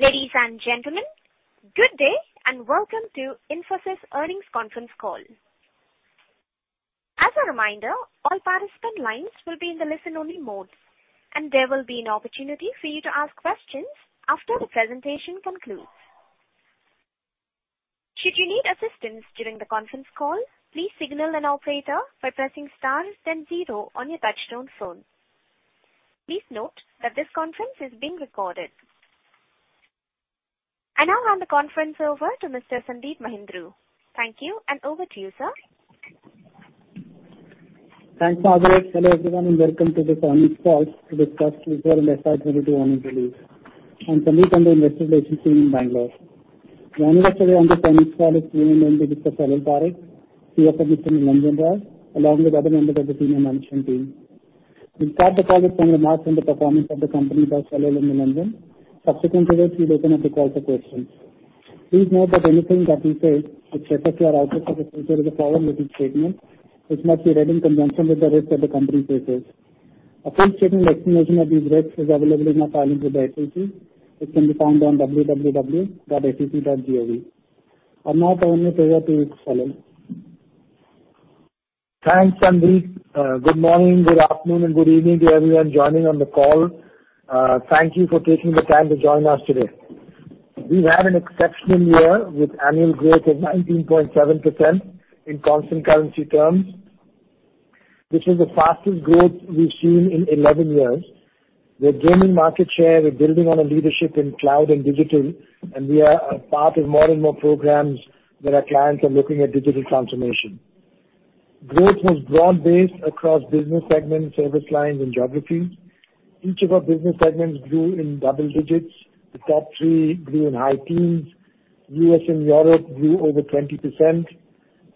Ladies and gentlemen, good day, and welcome to Infosys earnings conference call. As a reminder, all participant lines will be in the listen-only mode, and there will be an opportunity for you to ask questions after the presentation concludes. Should you need assistance during the conference call, please signal an operator by pressing star then zero on your touchtone phone. Please note that this conference is being recorded. I now hand the conference over to Mr. Sandeep Mahindroo. Thank you, and over to you, sir. Thanks, Madhuri. Hello, everyone, and welcome to this earnings call to discuss fiscal year FY 2022 earnings release. I'm Sandeep on the investor relations team in Bangalore. Joining us today on this earnings call is CEO and MD, Mr. Salil Parekh, CEO and MD from London office along with other members of the senior management team. We'll start the call with some remarks on the performance of the company by Salil in London. Subsequently, we'll open up the call for questions. Please note that anything that we say which refers to our outlook for the future is a forward-looking statement which must be read in conjunction with the risk that the company faces. A full statement explanation of these risks is available in our filings with the SEC. It can be found on www.sec.gov. I'll now turn over to you, Salil. Thanks, Sandeep. Good morning, good afternoon, and good evening to everyone joining on the call. Thank you for taking the time to join us today. We had an exceptional year with annual growth of 19.7% in constant currency terms, which is the fastest growth we've seen in 11 years. We're gaining market share. We're building on our leadership in cloud and digital, and we are a part of more and more programs where our clients are looking at digital transformation. Growth was broad-based across business segments, service lines and geographies. Each of our business segments grew in double digits. The top three grew in high teens. U.S. and Europe grew over 20%.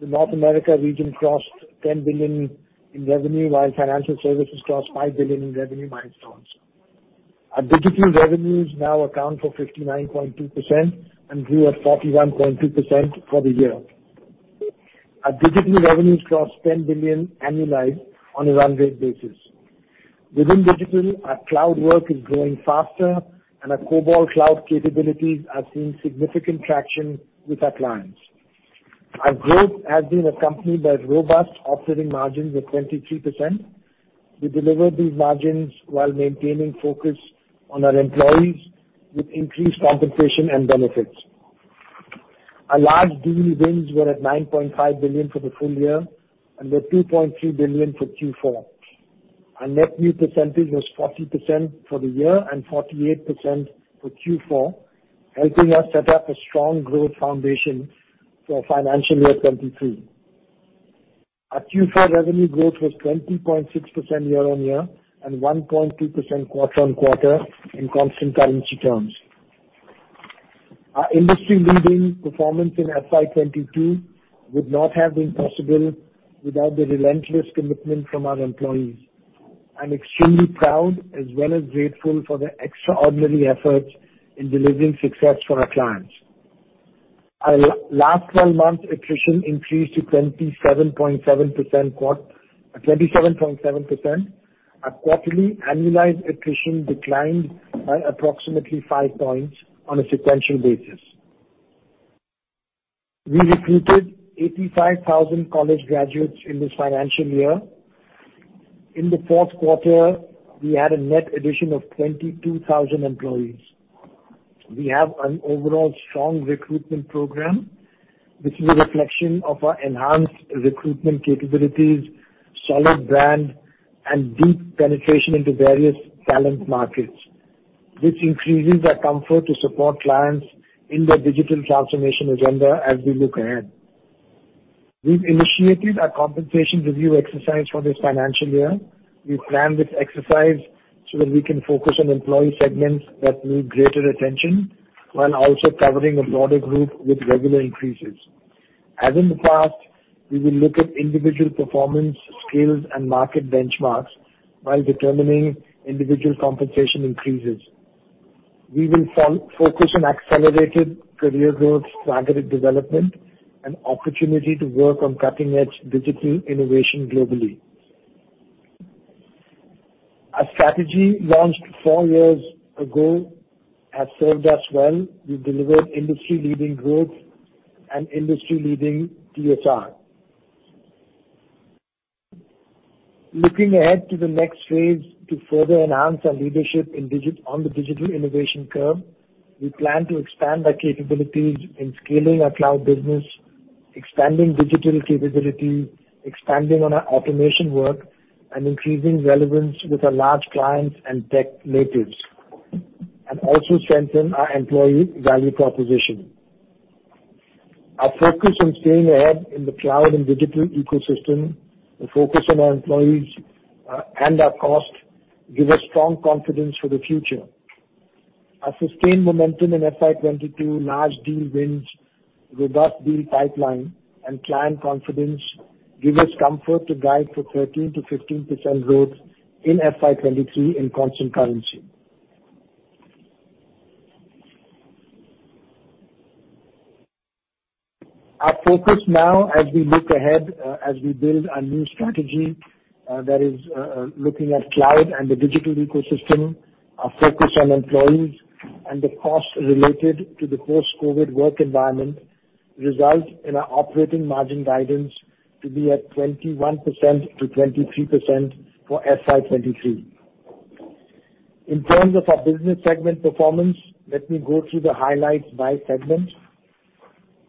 The North America region crossed $10 billion in revenue while financial services crossed $5 billion in revenue milestones. Our digital revenues now account for 59.2% and grew at 41.2% for the year. Our digital revenues crossed $10 billion annualized on a run rate basis. Within digital, our cloud work is growing faster, and our Cobalt cloud capabilities are seeing significant traction with our clients. Our growth has been accompanied by robust operating margins of 23%. We delivered these margins while maintaining focus on our employees with increased compensation and benefits. Our large deal wins were at $9.5 billion for the full year and were $2.3 billion for Q4. Our net new percentage was 40% for the year and 48% for Q4, helping us set up a strong growth foundation for FY 2023. Our Q4 revenue growth was 20.6% year-over-year and 1.2% quarter-over-quarter in constant currency terms. Our industry-leading performance in FY 2022 would not have been possible without the relentless commitment from our employees. I'm extremely proud as well as grateful for their extraordinary efforts in delivering success for our clients. Our Last Twelve Months attrition increased to 27.7%. Our quarterly annualized attrition declined by approximately 5 points on a sequential basis. We recruited 85,000 college graduates in this financial year. In the fourth quarter, we had a net addition of 22,000 employees. We have an overall strong recruitment program which is a reflection of our enhanced recruitment capabilities, solid brand and deep penetration into various talent markets. This increases our comfort to support clients in their digital transformation agenda as we look ahead. We've initiated our compensation review exercise for this financial year. We've planned this exercise so that we can focus on employee segments that need greater attention while also covering a broader group with regular increases. As in the past, we will look at individual performance, skills, and market benchmarks while determining individual compensation increases. We will focus on accelerated career growth, strategic development, and opportunity to work on cutting-edge digital innovation globally. Our strategy launched four years ago has served us well. We've delivered industry-leading growth and industry-leading DSR. Looking ahead to the next phase to further enhance our leadership on the digital innovation curve, we plan to expand our capabilities in scaling our cloud business, expanding digital capability, expanding on our automation work, and increasing relevance with our large clients and tech natives, and also strengthen our employee value proposition. Our focus on staying ahead in the cloud and digital ecosystem, the focus on our employees, and our costs give us strong confidence for the future. Our sustained momentum in FY 2022, large deal wins, robust deal pipeline, and client confidence give us comfort to guide for 13%-15% growth in FY 2023 in constant currency. Our focus now as we look ahead, as we build our new strategy, that is, looking at cloud and the digital ecosystem, our focus on employees and the costs related to the post-COVID work environment result in our operating margin guidance to be at 21%-23% for FY 2023. In terms of our business segment performance, let me go through the highlights by segment.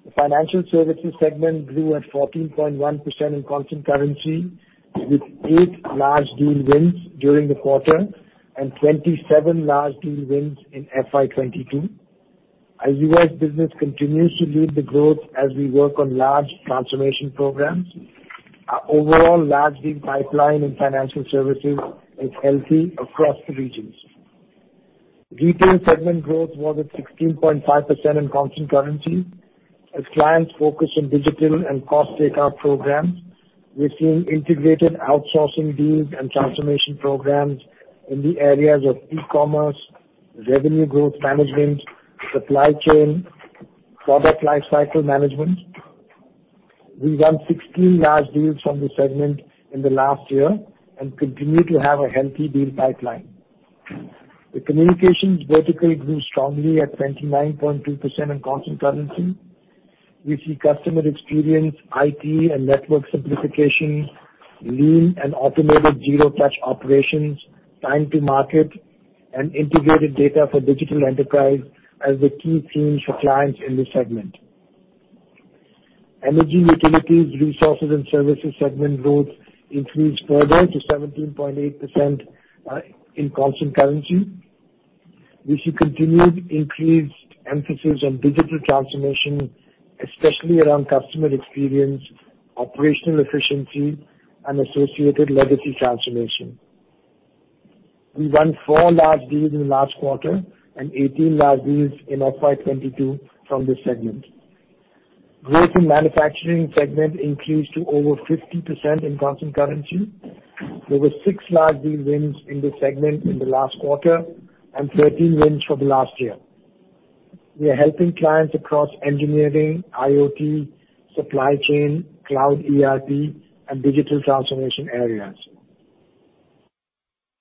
The Financial Services segment grew at 14.1% in constant currency, with eight large deal wins during the quarter and 27 large deal wins in FY 2022. Our U.S. business continues to lead the growth as we work on large transformation programs. Our overall large deal pipeline in financial services is healthy across the regions. Retail segment growth was at 16.5% in constant currency as clients focus on digital and cost takeout programs. We've seen integrated outsourcing deals and transformation programs in the areas of e-commerce, revenue growth management, supply chain, product life cycle management. We won 16 large deals from this segment in the last year and continue to have a healthy deal pipeline. The communications vertical grew strongly at 29.2% in constant currency. We see customer experience, IT and network simplification, lean and automated zero-touch operations, time to market, and integrated data for digital enterprise as the key themes for clients in this segment. Energy, utilities, resources, and services segment growth increased further to 17.8% in constant currency. We see continued increased emphasis on digital transformation, especially around customer experience, operational efficiency, and associated legacy transformation. We won four large deals in the last quarter and 18 large deals in FY 2022 from this segment. Growth in manufacturing segment increased to over 50% in constant currency. There were 6 large deal wins in this segment in the last quarter and 13 wins for the last year. We are helping clients across engineering, IoT, supply chain, cloud ERP, and digital transformation areas.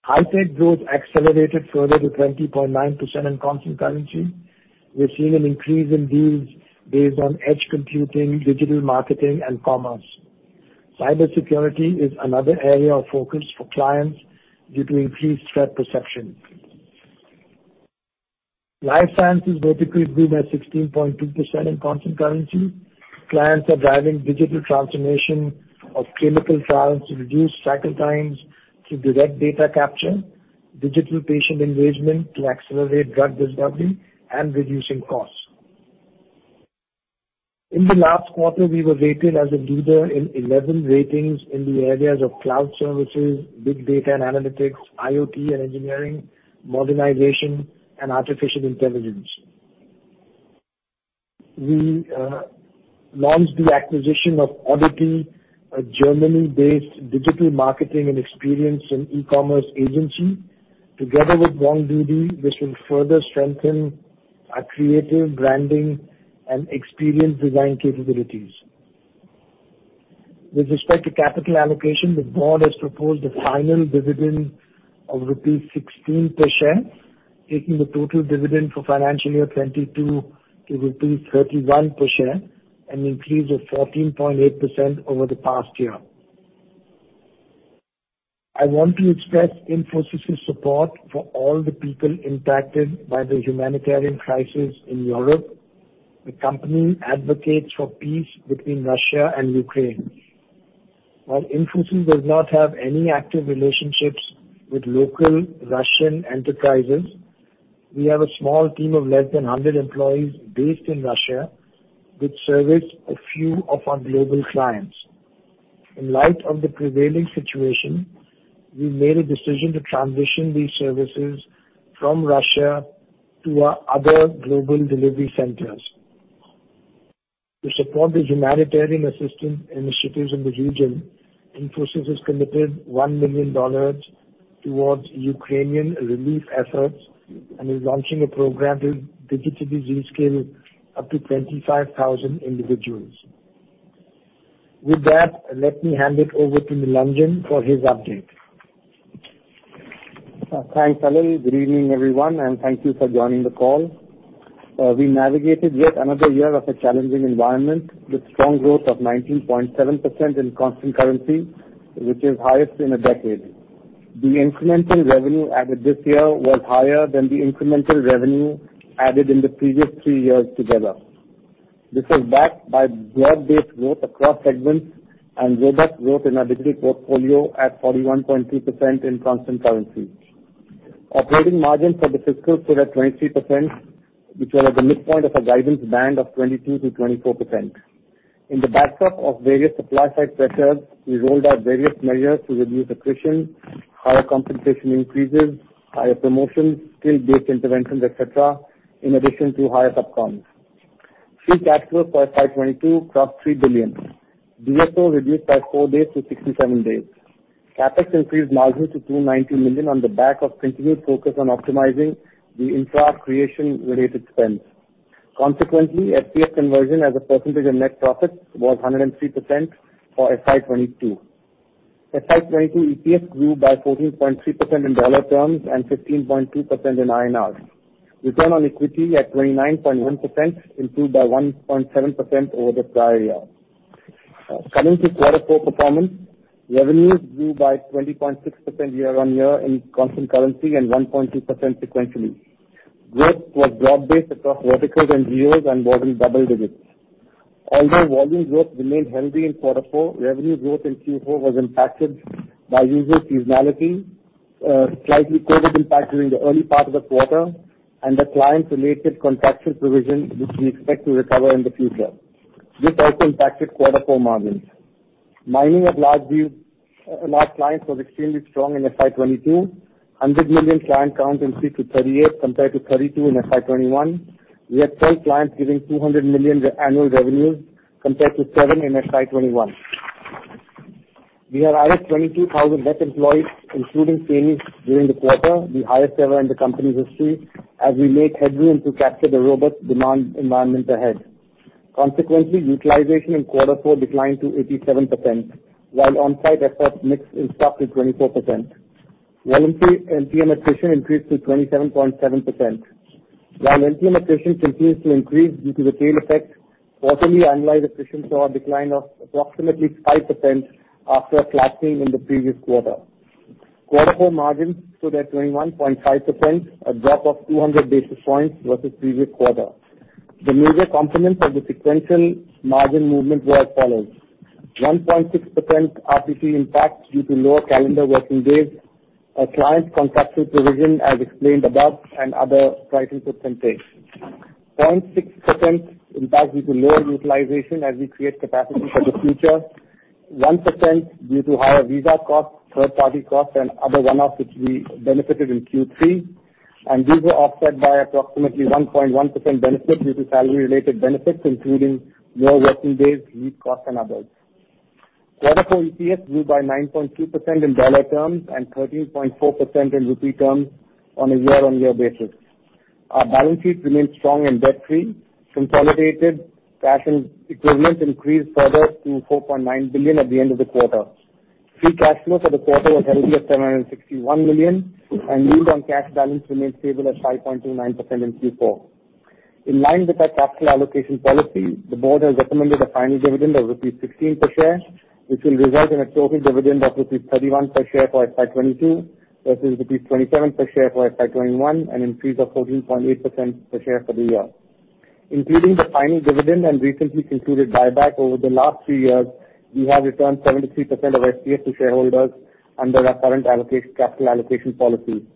High tech growth accelerated further to 20.9% in constant currency. We're seeing an increase in deals based on edge computing, digital marketing and commerce. Cybersecurity is another area of focus for clients due to increased threat perception. Life sciences vertical grew by 16.2% in constant currency. Clients are driving digital transformation of clinical trials to reduce cycle times through direct data capture, digital patient engagement to accelerate drug discovery, and reducing costs. In the last quarter, we were rated as a leader in 11 ratings in the areas of cloud services, big data and analytics, IoT and engineering, modernization, and artificial intelligence. We launched the acquisition of oddity, a Germany-based digital marketing and experience and e-commerce agency. Together with WongDoody, this will further strengthen our creative branding and experience design capabilities. With respect to capital allocation, the board has proposed a final dividend of rupees 16 per share, taking the total dividend for FY 2022 to rupees 31 per share, an increase of 14.8% over the past year. I want to express Infosys' support for all the people impacted by the humanitarian crisis in Europe. The company advocates for peace between Russia and Ukraine. While Infosys does not have any active relationships with local Russian enterprises, we have a small team of less than 100 employees based in Russia which service a few of our global clients. In light of the prevailing situation, we made a decision to transition these services from Russia to our other global delivery centers. To support the humanitarian assistance initiatives in the region, Infosys has committed $1 million towards Ukrainian relief efforts and is launching a program to digitally reskill up to 25,000 individuals. With that, let me hand it over to Nilanjan for his update. Thanks, Salil. Good evening, everyone, and thank you for joining the call. We navigated yet another year of a challenging environment with strong growth of 19.7% in constant currency, which is highest in a decade. The incremental revenue added this year was higher than the incremental revenue added in the previous three years together. This was backed by broad-based growth across segments and robust growth in our digital portfolio at 41.2% in constant currency. Operating margins for the fiscal stood at 23%, which were at the midpoint of our guidance band of 22%-24%. In the backdrop of various supply side pressures, we rolled out various measures to reduce attrition, higher compensation increases, higher promotions, skill-based interventions, et cetera, in addition to higher subcon. Free cash flow for FY 2022 crossed $3 billion. DSO reduced by four days to 67 days. CapEx increased marginally to $290 million on the back of continued focus on optimizing the infra creation related spends. Consequently, FCF conversion as a percentage of net profits was 103% for FY 2022. FY 2022 EPS grew by 14.3% in dollar terms and 15.2% in INR. Return on equity at 29.1%, improved by 1.7% over the prior year. Coming to quarter four performance, revenues grew by 20.6% year-on-year in constant currency and 1.2% sequentially. Growth was broad-based across verticals and geos and was in double digits. Although volume growth remained healthy in quarter four, revenue growth in Q4 was impacted by usual seasonality, slight COVID impact during the early part of the quarter and the client-related contractual provision, which we expect to recover in the future. This also impacted quarter four margins. Winning of large deals and large clients was extremely strong in FY 2022. $100 million client count increased to 38 compared to 32 in FY 2021. We had 12 clients giving $200 million annual revenues compared to seven in FY 2021. We have added 22,000 net employees, including trainees during the quarter, the highest ever in the company's history, as we create headroom to capture the robust demand environment ahead. Consequently, utilization in quarter four declined to 87%, while on-site effort mix stood at 24%. Voluntary LTM attrition increased to 27.7%. While LTM attrition continues to increase due to the tail effect, quarterly annualized attrition saw a decline of approximately 5% after a flat change in the previous quarter. Quarter four margins stood at 21.5%, a drop of 200 basis points versus previous quarter. The major components of the sequential margin movement were as follows. 1.6% RTC impact due to lower calendar working days, a client contractual provision as explained above, and other pricing pressures. 0.6% impact due to lower utilization as we create capacity for the future. 1% due to higher visa costs, third-party costs, and other one-offs, which we benefited in Q3. These were offset by approximately 1.1% benefit due to salary related benefits, including more working days, lower costs and others. Quarter four EPS grew by 9.2% in dollar terms and 13.4% in rupee terms on a year-over-year basis. Our balance sheet remains strong and debt-free. Consolidated cash equivalents increased further to $4.9 billion at the end of the quarter. Free cash flow for the quarter was healthy at $761 million and yield on cash balance remained stable at 5.29% in Q4. In line with our capital allocation policy, the board has recommended a final dividend of INR 16 per share, which will result in a total dividend of INR 31 per share for FY 2022 versus INR 27 per share for FY 2021, an increase of 14.8% per share for the year. Including the final dividend and recently concluded buyback over the last three years, we have returned 73% of SPS to shareholders under our current allocation, capital allocation policy.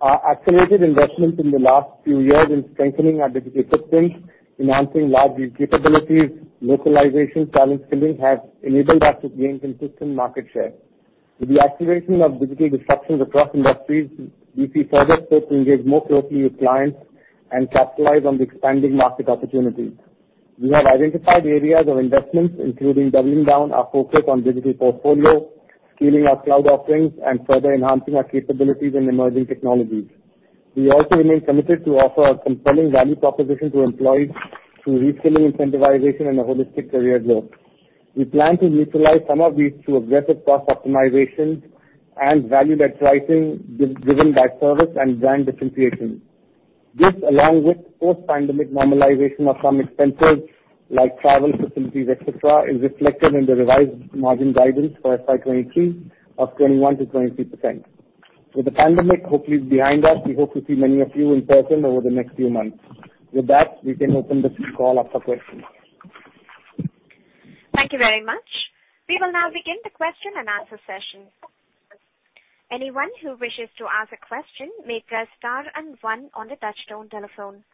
Our accelerated investments in the last few years in strengthening our digital footprint, enhancing large deal capabilities, localization, talent skilling, have enabled us to gain consistent market share. With the acceleration of digital disruptions across industries, we see further scope to engage more closely with clients and capitalize on the expanding market opportunities. We have identified areas of investments, including doubling down our focus on digital portfolio, scaling our cloud offerings, and further enhancing our capabilities in emerging technologies. We also remain committed to offer a compelling value proposition to employees through reskilling, incentivization, and a holistic career growth. We plan to utilize some of these through aggressive cost optimization and value-led pricing given by service and brand differentiation. This, along with post-pandemic normalization of some expenses like travel, facilities, et cetera, is reflected in the revised margin guidance for FY 2023 of 21%-23%. With the pandemic hopefully behind us, we hope to see many of you in person over the next few months. With that, we can open this call up for questions. Thank you very much. We will now begin the question and answer session. Anyone who wishes to ask a question may press star and one on the touchtone telephone.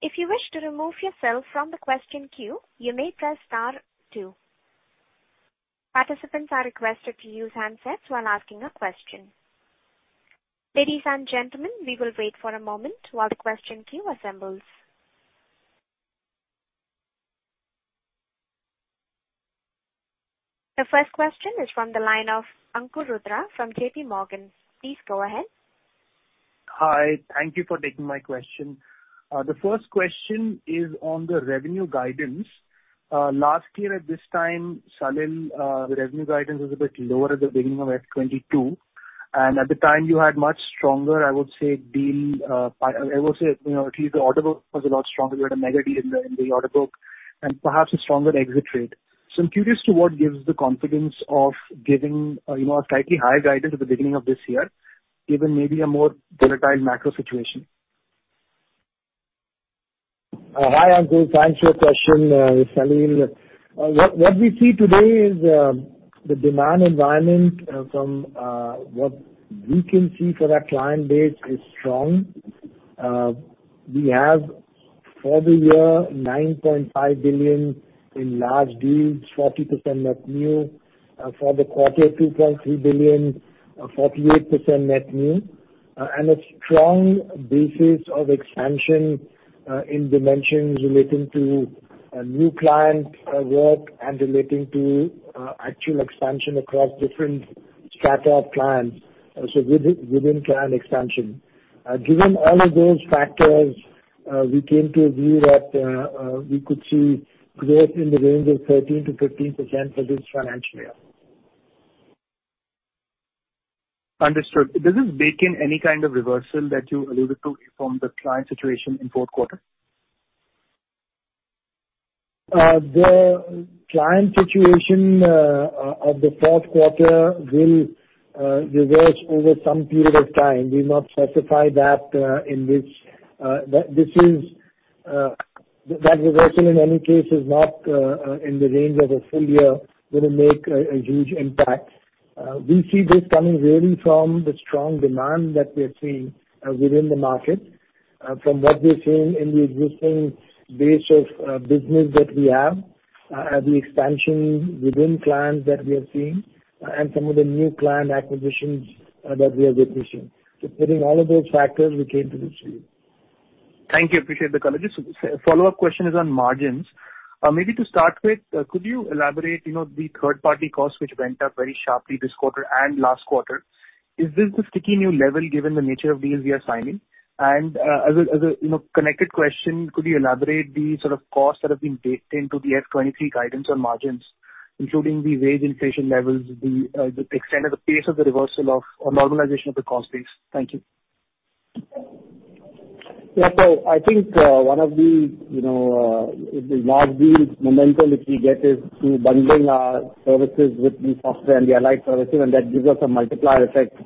If you wish to remove yourself from the question queue, you may press star two. Participants are requested to use handsets while asking a question. Ladies and gentlemen, we will wait for a moment while the question queue assembles. The first question is from the line of Ankur Rudra from JPMorgan. Please go ahead. Hi. Thank you for taking my question. The first question is on the revenue guidance. Last year at this time, Salil, the revenue guidance was a bit lower at the beginning of FY 2022, and at the time you had much stronger, I would say deal, I would say at least the order book was a lot stronger. You had a mega deal in the order book and perhaps a stronger exit rate. I'm curious to what gives the confidence of giving, you know, a slightly higher guidance at the beginning of this year, given maybe a more volatile macro situation. Hi, Ankur. Thanks for your question. Salil. What we see today is the demand environment from what we can see for our client base is strong. We have for the year $9.5 billion in large deals, 40% net new. For the quarter, $2.3 billion, 48% net new. And a strong basis of expansion in dimensions relating to new client work and relating to actual expansion across different strata of clients, so within client expansion. Given all of those factors, we came to a view that we could see growth in the range of 13%-15% for this financial year. Understood. Does this bake in any kind of reversal that you alluded to from the client situation in fourth quarter? The client situation of the fourth quarter will reverse over some period of time. We've not specified that. That reversal in any case is not in the range of a full year, wouldn't make a huge impact. We see this coming really from the strong demand that we're seeing within the market, from what we're seeing in the existing base of business that we have, the expansion within clients that we are seeing, and some of the new client acquisitions that we are witnessing. Putting all of those factors, we came to this view. Thank you. I appreciate the color. Just a follow-up question is on margins. Maybe to start with, could you elaborate, you know, the third-party costs which went up very sharply this quarter and last quarter? Is this the sticky new level given the nature of deals we are signing? As a connected question, could you elaborate the sort of costs that have been baked into the FY 2023 guidance on margins, including the wage inflation levels, the extent of the pace of the reversal of, or normalization of the cost base? Thank you. Yeah. I think one of the, you know, the large deals momentum which we get is through bundling our services with the software and the allied services, and that gives us a multiplier effect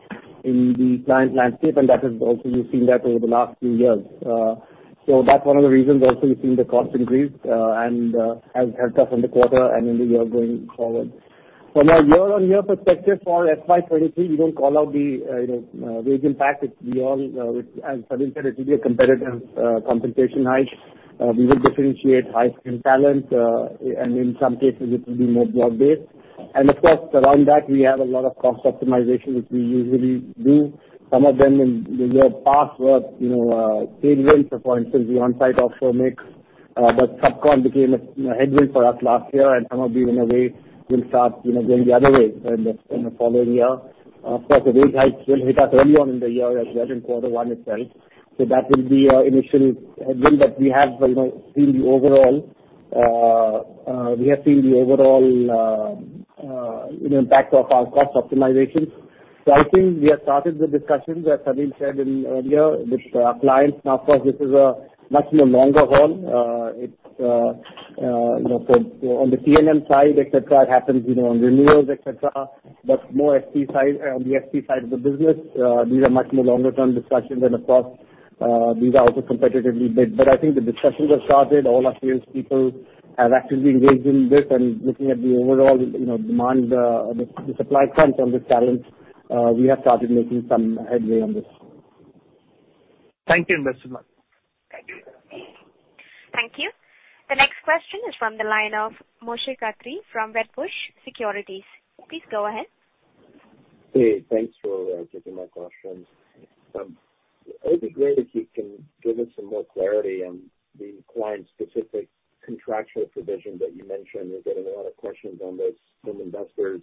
in the client landscape, and that is also we've seen that over the last few years. That's one of the reasons also we've seen the cost increase, and has helped us in the quarter and in the year going forward. For our year-on-year perspective for FY 2023, we don't call out the, you know, wage impact. It's beyond, as Salil said, it will be a competitive compensation hike. We will differentiate high-skill talent, and in some cases it will be more job-based. Of course, around that we have a lot of cost optimization, which we usually do. Some of them in the past were, you know, tailwinds, for instance, the on-site offshore mix, but SubCon became a, you know, headwind for us last year. Some of them in a way will start, you know, going the other way in the following year. Of course, the wage hikes will hit us early on in the year as well in quarter one itself. That will be our initial headwind. We have, you know, seen the overall impact of our cost optimization. I think we have started the discussions, as Salil said earlier, with clients. Now, of course, this is a much more longer haul. It's, you know, on the PMM side, et cetera, it happens, you know, on renewals, et cetera. More SP side, on the SP side of the business, these are much more longer term discussions. Of course, these are also competitively bid. I think the discussions have started. All our sales people have actively engaged in this. Looking at the overall, you know, demand, the supply front on the talent, we have started making some headway on this. Thank you. Thanks so much. Thank you. Thank you. The next question is from the line of Moshe Katri from Wedbush Securities. Please go ahead. Hey, thanks for taking my questions. It'd be great if you can give us some more clarity on the client-specific contractual provision that you mentioned. We're getting a lot of questions on this from investors.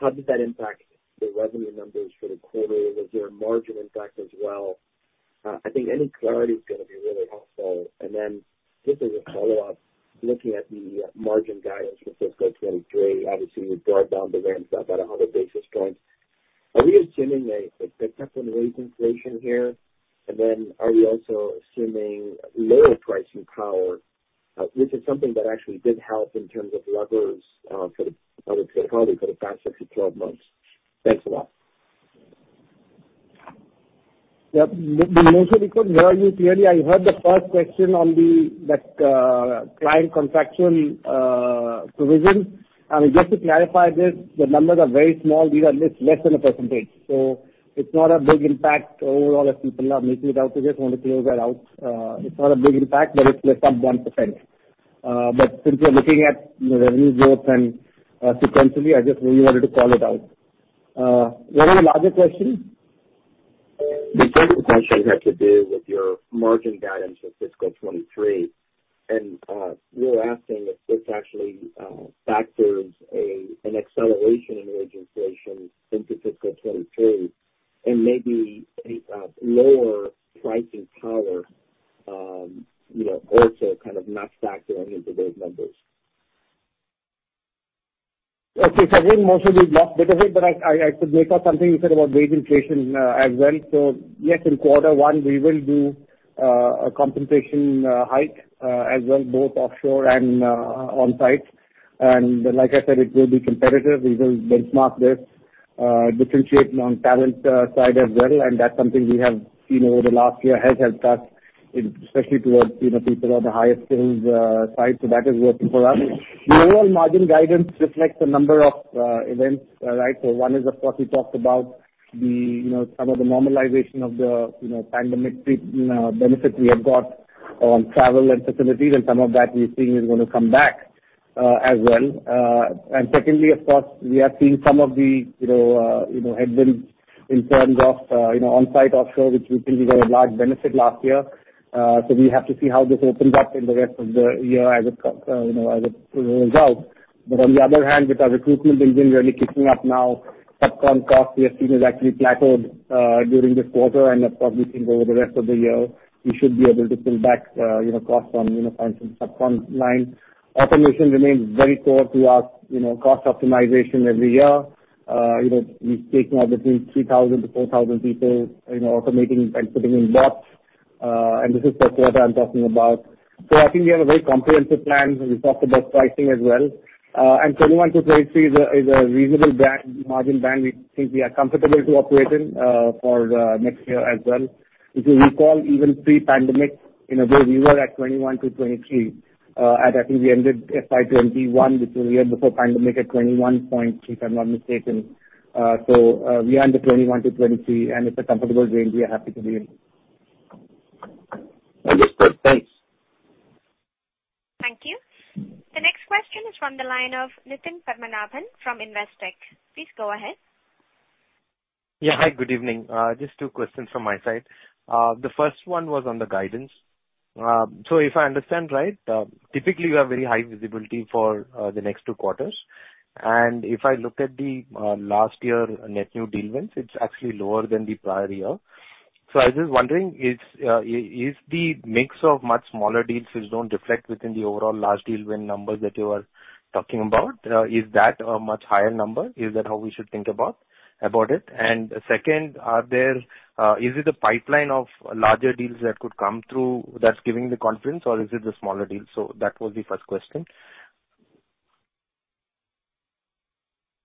How does that impact the revenue numbers for the quarter? Was there a margin impact as well? I think any clarity is gonna be really helpful. Just as a follow-up, looking at the margin guidance for FY 2023, obviously you brought the range up by 100 basis points. Are we assuming a pick up in wage inflation here? Are we also assuming lower pricing power, which is something that actually did help in terms of levers for probably the past 6-12 months? Thanks a lot. Moshe, we couldn't hear you clearly. I heard the first question on the, like, client contractual provision. Just to clarify this, the numbers are very small. These are less than a percentage, so it's not a big impact overall if people are making it out. We just want to clear that out. It's not a big impact, but it's less than 1%. Since we're looking at the revenues more than sequentially, I just really wanted to call it out. Your other question? The second question had to do with your margin guidance for fiscal 2023. We were asking if this actually factors an acceleration in wage inflation into fiscal 2023 and maybe a lower pricing power, you know, also kind of not factoring into those numbers. Okay. One, Moshe, we've lost bit of it, but I could make out something you said about wage inflation as well. Yes, in quarter one we will do a compensation hike as well, both offshore and on-site. Like I said, it will be competitive. We will benchmark this, differentiate on talent side as well. That's something we have seen over the last year has helped us, especially towards, you know, people on the higher skills side. That is working for us. The overall margin guidance reflects a number of events, right? One is, of course, we talked about the, you know, some of the normalization of the, you know, pandemic benefits we have got on travel and facilities, and some of that we are seeing is gonna come back, as well. Secondly, of course, we are seeing some of the, you know, headwinds in terms of, you know, on-site offshore, which we think we got a large benefit last year. We have to see how this opens up in the rest of the year as it, you know, as it results. But on the other hand, with our recruitment engine really kicking up now, sub-con costs we are seeing has actually plateaued during this quarter. Of course, we think over the rest of the year we should be able to pull back, you know, costs on, you know, some sub-con line. Automation remains very core to our, you know, cost optimization every year. You know, we've taken between 3,000-4,000 people in automating and putting in bots. This is per quarter I'm talking about. I think we have a very comprehensive plan, and we talked about pricing as well. 21%-23% is a reasonable band, margin band we think we are comfortable to operate in, for next year as well. If you recall, even pre-pandemic, you know, we were at 21%-23%. At I think we ended FY 2021, which was the year before pandemic, at 21 point, if I'm not mistaken. We are in the 21%-23%, and it's a comfortable range we are happy to be in. Understood. Thanks. Thank you. The next question is from the line of Nitin Padmanabhan from Investec. Please go ahead. Hi, good evening. Just two questions from my side. The first one was on the guidance. If I understand right, typically you have very high visibility for the next two quarters. If I look at the last year net new deal wins, it's actually lower than the prior year. I was just wondering, is the mix of much smaller deals which don't reflect within the overall large deal win numbers that you are talking about a much higher number? Is that how we should think about it? Second, is it the pipeline of larger deals that could come through that's giving the confidence, or is it the smaller deals? That was the first question.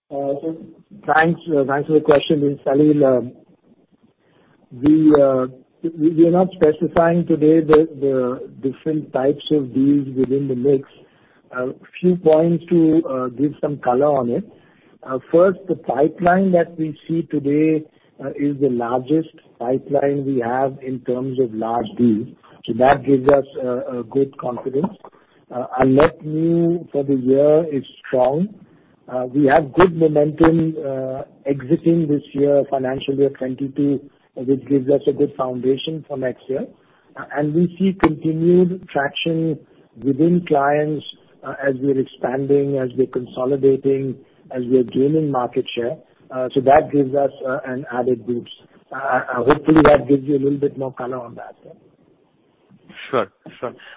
Thanks for the question, Nitin. We're not specifying today the different types of deals within the mix. A few points to give some color on it. First, the pipeline that we see today is the largest pipeline we have in terms of large deals. That gives us a good confidence. Our net new for the year is strong. We have good momentum exiting this year, financial year 2022, which gives us a good foundation for next year. We see continued traction within clients as we're expanding, as we're consolidating, as we're gaining market share. That gives us an added boost. Hopefully that gives you a little bit more color on that then. Sure.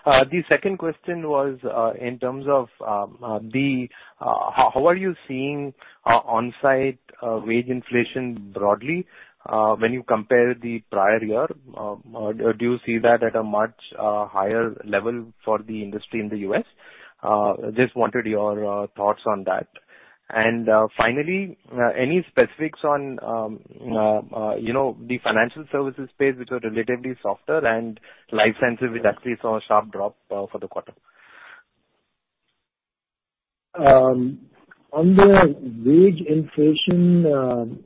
The second question was, in terms of how are you seeing on-site wage inflation broadly, when you compare the prior year? Do you see that at a much higher level for the industry in the U.S.? Just wanted your thoughts on that. Finally, any specifics on, you know, the financial services space, which are relatively softer and life sciences, which actually saw a sharp drop for the quarter? On the wage inflation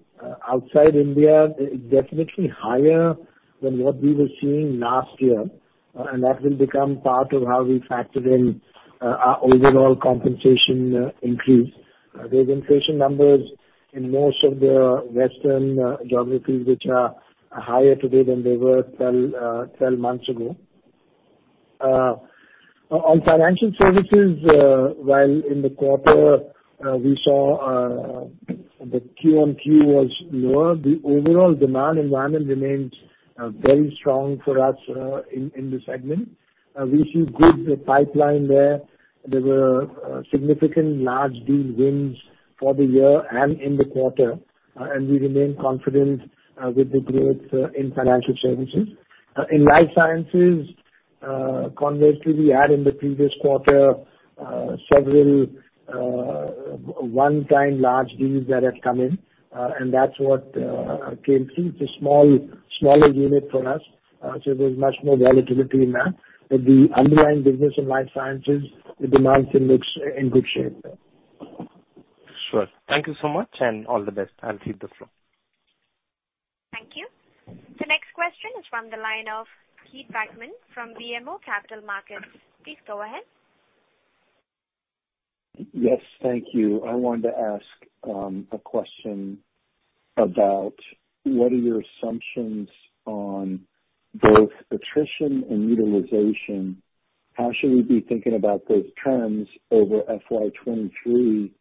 outside India, it's definitely higher than what we were seeing last year. That will become part of how we factor in our overall compensation increase, wage inflation numbers in most of the western geographies, which are higher today than they were 12 months ago. On financial services, while in the quarter we saw the QoQ was lower, the overall demand environment remains very strong for us in this segment. We see good pipeline there. There were significant large deal wins for the year and in the quarter. We remain confident with the growth in financial services. In life sciences, conversely, we had in the previous quarter several one-time large deals that had come in. That's what came through. It's a smaller unit for us. There's much more volatility in that. The underlying business in life sciences, the demand still looks in good shape there. Sure. Thank you so much, and all the best. I'll cede the floor. Thank you. The next question is from the line of Keith Bachman from BMO Capital Markets. Please go ahead. Yes. Thank you. I wanted to ask a question about what are your assumptions on both attrition and utilization. How should we be thinking about those trends over FY 2023?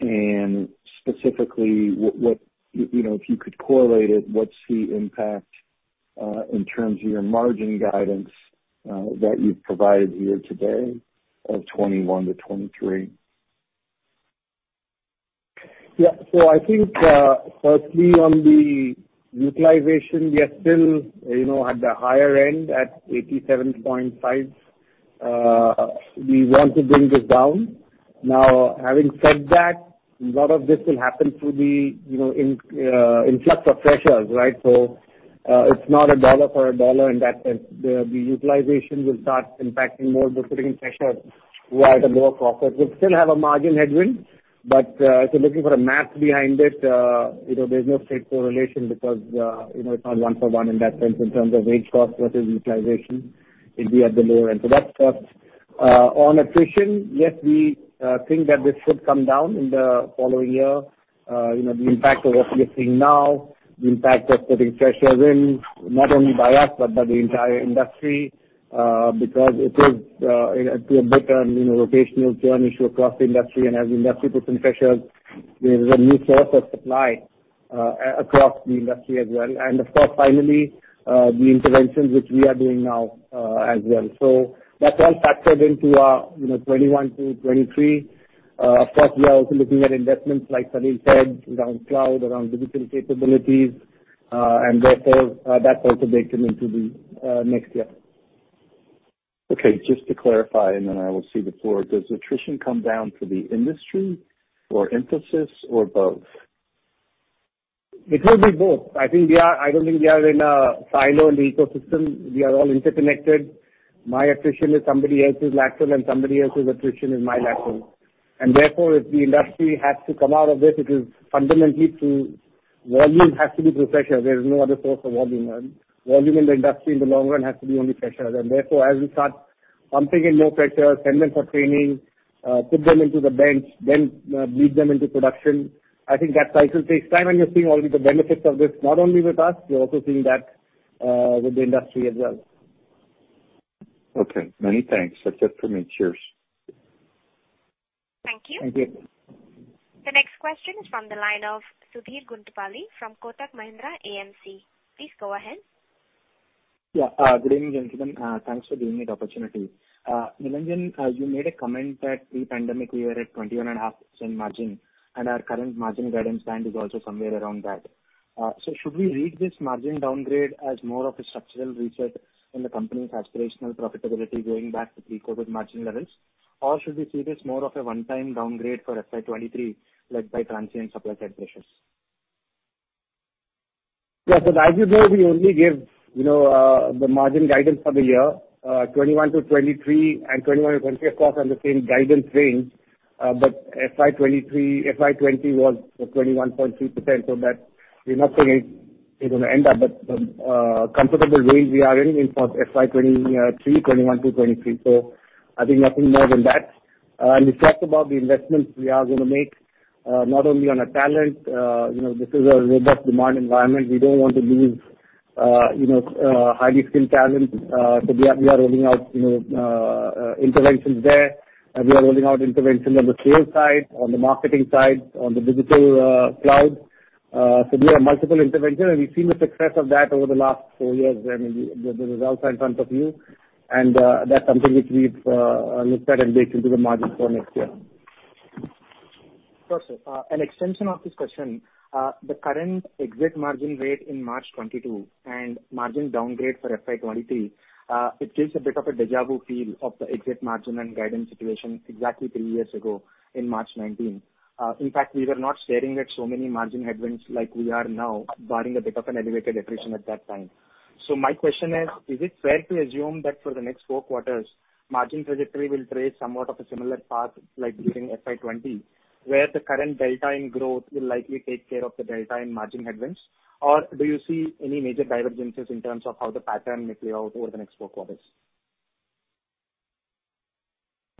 And specifically, what you know if you could correlate it, what's the impact in terms of your margin guidance that you've provided here today of 21%-23%? Yeah. I think firstly on the utilization, we are still you know at the higher end at 87.5%. We want to bring this down. Now, having said that, a lot of this will happen through the you know influx of freshers, right? It's not a dollar for a dollar in that sense. The utilization will start impacting more the putting in freshers who are at a lower cost. We'll still have a margin headwind, but if you're looking for a math behind it, you know, there's no straight correlation because you know, it's not one-for-one in that sense in terms of wage cost versus utilization. It'd be at the lower end for that stuff. On attrition, yes, we think that this should come down in the following year. You know, the impact of what we are seeing now, the impact of putting freshers in, not only by us, but by the entire industry. Because it is, you know, rotational turnover issue across the industry. As industry puts in freshers, there is a new source of supply across the industry as well. Of course, finally, the interventions which we are doing now, as well. That's all factored into our, you know, FY 2021 to FY 2023. Of course, we are also looking at investments like Salil Parekh said around cloud, around digital capabilities, and therefore, that's also baked into the next year. Okay. Just to clarify, and then I will cede the floor. Does attrition come down for the industry or Infosys or both? It will be both. I think we are. I don't think we are in a siloed ecosystem. We are all interconnected. My attrition is somebody else's lateral, and somebody else's attrition is my lateral. Therefore, if the industry has to come out of this, it is fundamentally through volume has to be through freshers. There is no other source of volume. Volume in the industry in the long run has to be only freshers. Therefore, as we start pumping in more freshers, send them for training, put them into the bench, then, lead them into production, I think that cycle takes time. You're seeing all the benefits of this, not only with us, you're also seeing that, with the industry as well. Okay. Many thanks. That's it for me. Cheers. Thank you. Thank you. The next question is from the line of Sudheer Guntupalli from Kotak Mahindra AMC. Please go ahead. Yeah. Good evening, gentlemen. Thanks for giving me the opportunity. Nilanjan, you made a comment that pre-pandemic we were at 21.5% margin, and our current margin guidance stance is also somewhere around that. So should we read this margin downgrade as more of a structural reset in the company's aspirational profitability going back to pre-COVID margin levels? Or should we see this more of a one-time downgrade for FY 2023 led by transient supply side pressures? Yeah. As you know, we only give, you know, the margin guidance for the year, FY 2021 to FY 2023 and FY 2021 and FY 2023, of course, are the same guidance range. FY 2023. FY 2020 was, you know, 21.3%, so that we're not saying it is gonna end up. Comfortable range we are in fact, FY 2020, 2023, 2021 to 2023. I think nothing more than that. We talked about the investments we are gonna make, not only on talent, you know, this is a robust demand environment. We don't want to lose, you know, highly skilled talent. We are rolling out, you know, interventions there, and we are rolling out interventions on the sales side, on the marketing side, on the digital, cloud. We have multiple interventions, and we've seen the success of that over the last four years. I mean, the results are in front of you. That's something which we've looked at and baked into the margin for next year. Sure, sir. An extension of discussion. The current exit margin rate in March 2022 and margin downgrade for FY 2023, it gives a bit of a deja vu feel of the exit margin and guidance situation exactly three years ago in March 2019. In fact, we were not staring at so many margin headwinds like we are now, barring a bit of an elevated attrition at that time. My question is it fair to assume that for the next four quarters, margin trajectory will trace somewhat of a similar path like during FY 2020, where the current delta in growth will likely take care of the delta in margin headwinds? Or do you see any major divergences in terms of how the pattern may play out over the next four quarters?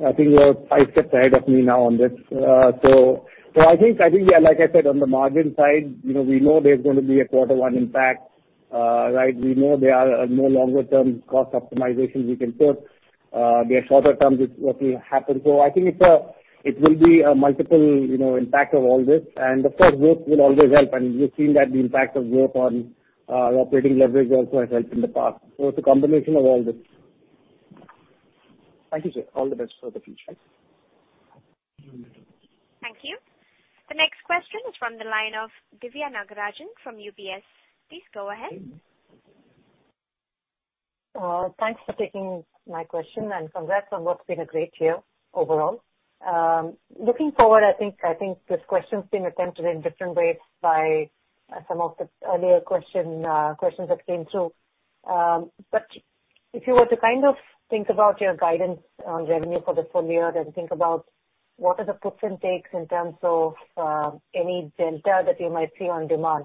I think you're five steps ahead of me now on this. So I think, yeah, like I said, on the margin side, you know, we know there's gonna be a quarter one impact, right? We know there are no longer term cost optimizations we can put. There are shorter terms which will happen. I think it will be a multiple impact of all this, you know. Of course, growth will always help, and we've seen that the impact of growth on our operating leverage also has helped in the past. It's a combination of all this. Thank you, sir. All the best for the future. Thank you. Thank you. The next question is from the line of Divya Nagarajan from UBS. Please go ahead. Thanks for taking my question, and congrats on what's been a great year overall. Looking forward, I think this question's been attempted in different ways by some of the earlier questions that came through. If you were to kind of think about your guidance on revenue for the full year and think about what are the puts and takes in terms of any delta that you might see on demand,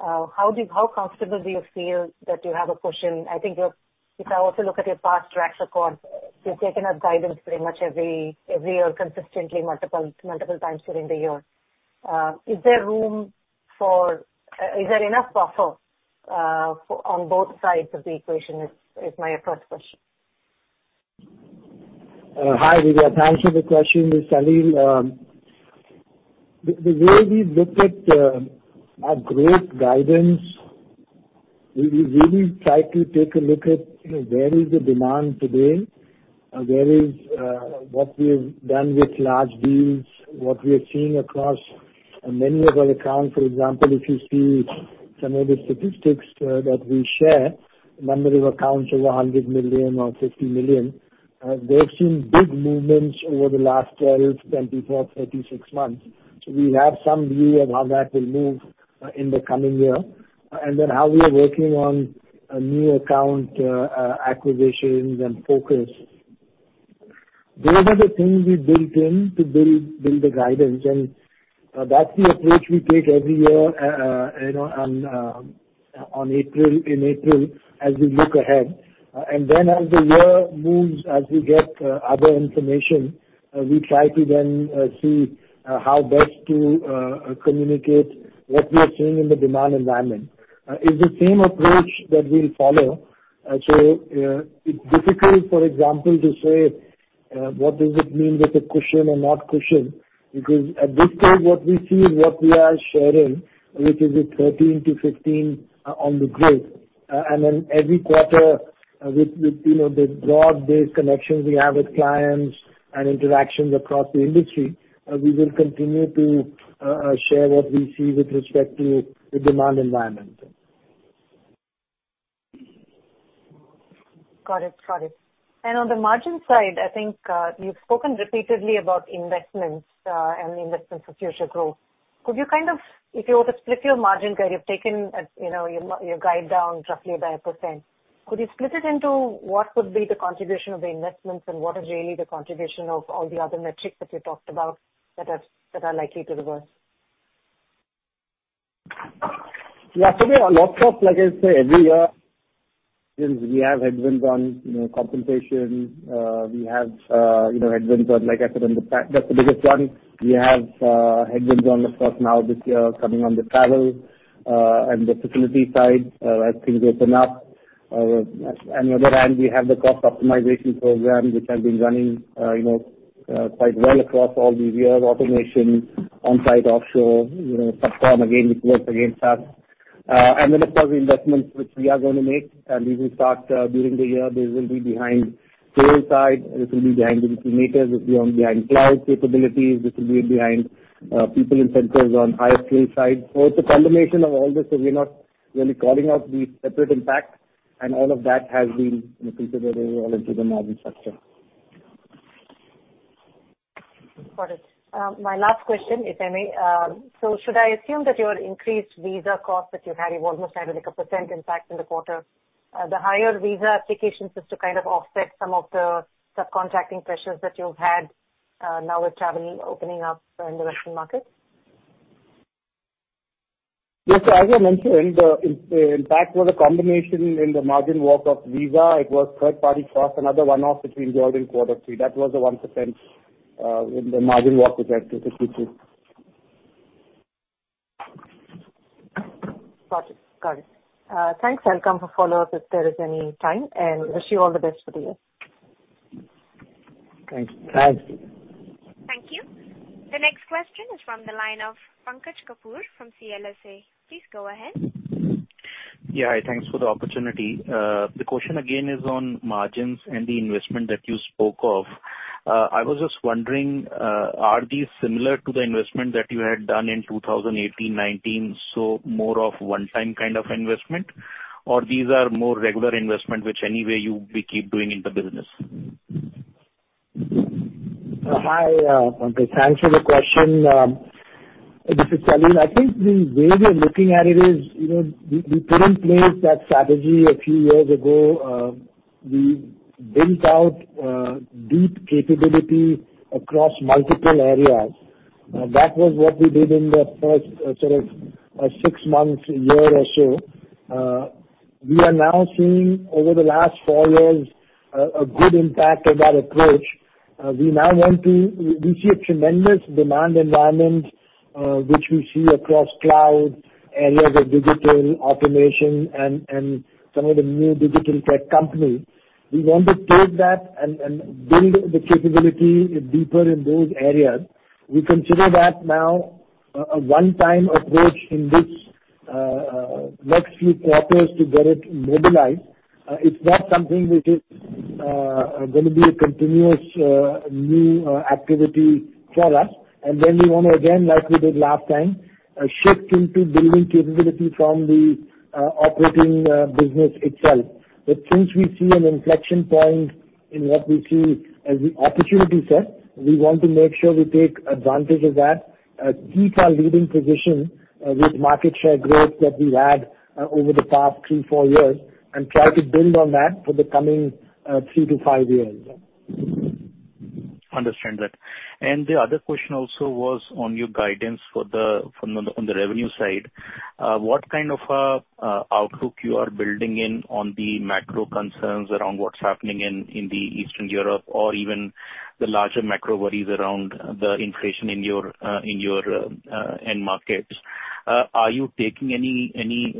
how comfortable do you feel that you have a cushion? I think if I also look at your past track record, you've taken up guidance pretty much every year, consistently multiple times during the year. Is there room for... Is there enough buffer for on both sides of the equation? Is my first question. Hi, Divya. Thanks for the question. This is Salil. The way we look at our growth guidance, we really try to take a look at, you know, where is the demand today, where is what we've done with large deals, what we're seeing across many of our accounts. For example, if you see some of the statistics that we share, number of accounts over 100 million or 50 million, they've seen big movements over the last 12 to 24, 36 months. We have some view of how that will move in the coming year. How we are working on a new account acquisitions and focus. Those are the things we built in to build the guidance. That's the approach we take every year, you know, in April as we look ahead. As the year moves, as we get other information, we try to then see how best to communicate what we are seeing in the demand environment. It's the same approach that we'll follow. It's difficult, for example, to say what does it mean that a cushion or not cushion, because at this stage, what we see is what we are sharing, which is 13%-15% on the growth. Every quarter, with you know, the broad-based connections we have with clients and interactions across the industry, we will continue to share what we see with respect to the demand environment. Got it. On the margin side, I think, you've spoken repeatedly about investments and investments for future growth. Could you kind of if you were to split your margin guide, you've taken, you know, your guide down roughly by a %. Could you split it into what would be the contribution of the investments and what is really the contribution of all the other metrics that you talked about that are likely to reverse? There are lots of, like I say, every year, since we have headwinds on, you know, compensation, like I said, that's the biggest one. We have headwinds on the cost now this year coming on the travel, and the facility side, as things open up. On the other hand, we have the cost optimization program, which has been running, you know, quite well across all these years, automation, on-site, offshore, you know, platform again, which works against us. Of course, the investments which we are gonna make, and we will start during the year. This will be behind sales side, this will be behind the digital makers, this will be on behind cloud capabilities, this will be behind, people in centers on higher skill side. It's a combination of all this, so we're not really calling out the separate impacts, and all of that has been, you know, considered overall into the margin structure. Got it. My last question, if I may. Should I assume that your increased visa costs that you had, it was almost added like a percent impact in the quarter, the higher visa applications is to kind of offset some of the subcontracting pressures that you've had, now with travel opening up in the Western markets? Yes. As I mentioned, the impact was a combination in the margin walk of visa. It was third-party cost, another one-off which we incurred in quarter three. That was the 1% in the margin walk which I specifically took. Got it. Thanks. I'll come for follow-up if there is any time, and wish you all the best for the year. Thanks. Thank you. The next question is from the line of Pankaj Kapoor from CLSA. Please go ahead. Yeah. Hi. Thanks for the opportunity. The question again is on margins and the investment that you spoke of. I was just wondering, are these similar to the investment that you had done in 2018, 2019, so more of one-time kind of investment? Or these are more regular investment which anyway you will keep doing in the business? Hi, Pankaj. Thanks for the question. This is Salil. I think the way we are looking at it is, you know, we put in place that strategy a few years ago. We built out deep capability across multiple areas. That was what we did in the first sort of six months, a year or so. We are now seeing over the last four years a good impact of that approach. We now want to. We see a tremendous demand environment, which we see across cloud areas of digital automation and some of the new digital tech companies. We want to take that and build the capability deeper in those areas. We consider that now a one-time approach in which next few quarters to get it mobilized. It's not something which is gonna be a continuous new activity for us. Then we wanna again, like we did last time, shift into building capability from the operating business itself. Since we see an inflection point in what we see as the opportunity set, we want to make sure we take advantage of that, keep our leading position with market share growth that we've had over the past three to four years, and try to build on that for the coming three to five years. Understand that. The other question also was on your guidance on the revenue side. What kind of outlook you are building in on the macro concerns around what's happening in Eastern Europe or even the larger macro worries around the inflation in your end markets? Are you taking any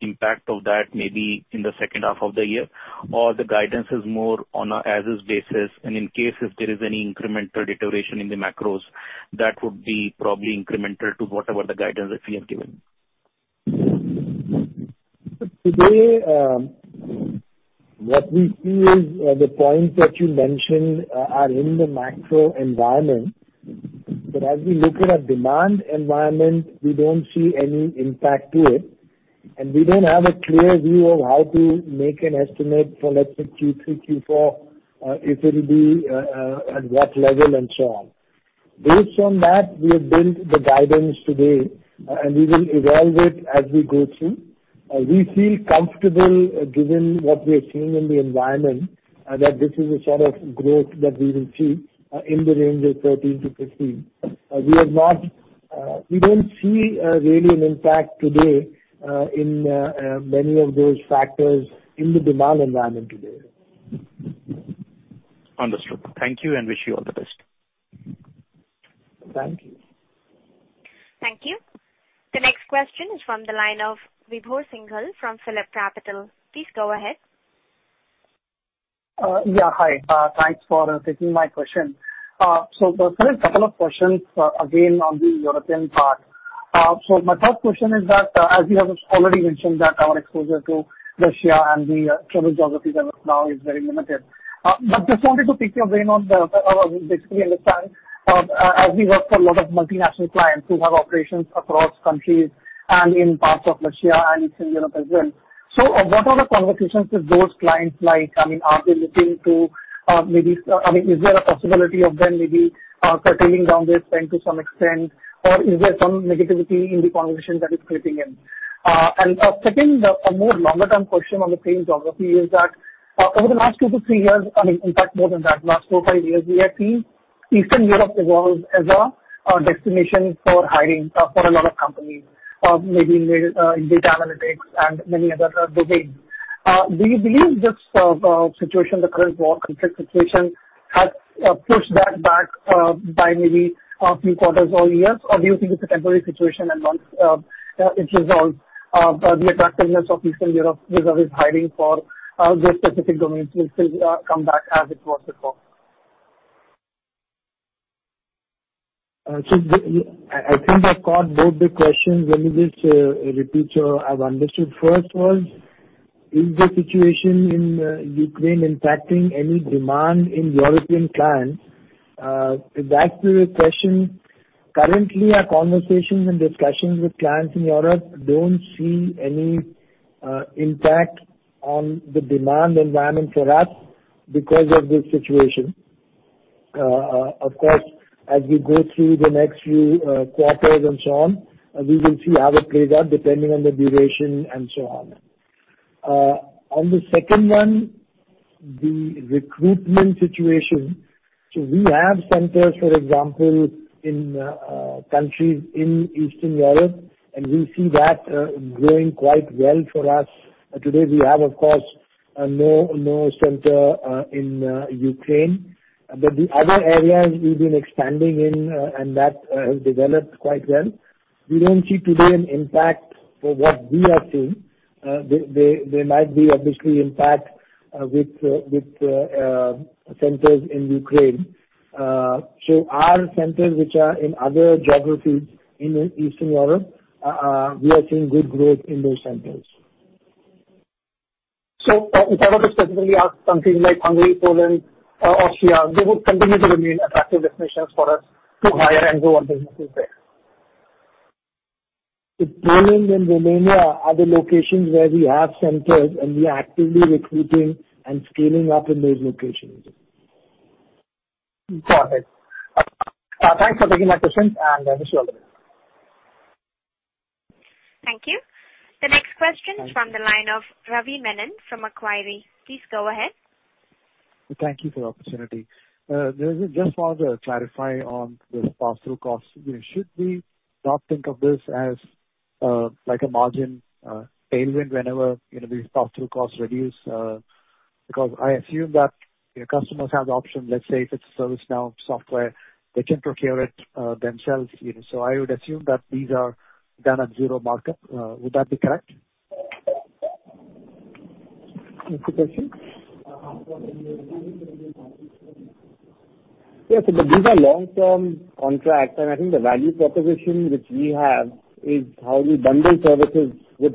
impact of that maybe in the second half of the year? Or the guidance is more on a as is basis, and in case if there is any incremental deterioration in the macros, that would be probably incremental to whatever the guidance that we have given? Today, what we see is the points that you mentioned are in the macro environment. As we look at our demand environment, we don't see any impact to it, and we don't have a clear view of how to make an estimate for, let's say, Q3, Q4, if it'll be at what level and so on. Based on that, we have built the guidance today, and we will evaluate as we go through. We feel comfortable given what we are seeing in the environment that this is a sort of growth that we will see in the range of 13%-15%. We don't see really an impact today in many of those factors in the demand environment today. Understood. Thank you, and wish you all the best. Thank you. Thank you. The next question is from the line of Vibhor Singhal from PhillipCapital. Please go ahead. Yeah. Hi. Thanks for taking my question. There are a couple of questions, again, on the European part. My first question is that, as you have already mentioned that your exposure to Russia and the troubled geography there now is very limited. Just wanted to pick your brain on basically to understand, as we work for a lot of multinational clients who have operations across countries and in parts of Russia and Eastern Europe as well. What are the conversations with those clients like? I mean, are they looking to maybe. I mean, is there a possibility of them maybe curtailing down their spend to some extent, or is there some negativity in the conversation that is creeping in? A second, more longer-term question on the same geography is that over the last two to three years, I mean, in fact more than that, last four, five years, we have seen Eastern Europe evolve as a destination for hiring for a lot of companies, maybe in data analytics and many other domains. Do you believe this situation, the current war conflict situation, has pushed that back by maybe a few quarters or years? Or do you think it's a temporary situation and once it resolves, the attractiveness of Eastern Europe as a hiring for those specific domains will still come back as it was before? I think I caught both the questions. Let me just repeat so I've understood. First was, is the situation in Ukraine impacting any demand in European clients? With that, to your question, currently our conversations and discussions with clients in Europe don't see any impact on the demand environment for us because of this situation. Of course, as we go through the next few quarters and so on, we will see how it plays out depending on the duration and so on. On the second one, the recruitment situation. We have centers, for example, in countries in Eastern Europe, and we see that growing quite well for us. Today, we have, of course, no center in Ukraine. The other areas we've been expanding in and that has developed quite well. We don't see today an impact for what we are seeing. There might be obviously impact with centers in Ukraine. Our centers which are in other geographies in Eastern Europe we are seeing good growth in those centers. If I were to specifically ask countries like Hungary, Poland or Austria, they would continue to remain attractive destinations for us to hire and grow our businesses there. Poland and Romania are the locations where we have centers, and we are actively recruiting and scaling up in those locations. Got it. Thanks for taking my questions, and wish you all the best. Thank you. The next question is from the line of Ravi Menon from Macquarie. Please go ahead. Thank you for the opportunity. Nilanjan, I just wanted to clarify on this pass-through costs. You know, should we not think of this as like a margin tailwind whenever, you know, these pass-through costs reduce? Because I assume that your customers have the option. Let's say if it's ServiceNow software, they can procure it themselves, you know. I would assume that these are done at zero markup. Would that be correct? Can u repeat the question? Yeah. These are long-term contracts, and I think the value proposition which we have is how we bundle services with